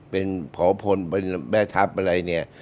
เป็นพอพลแม่ทัพอะไรเนี่ย